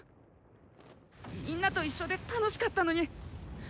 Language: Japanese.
みんなと一緒で楽しかったのに！